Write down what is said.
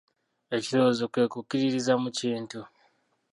Ekirowoozo kwe kukkiririza mu kintu.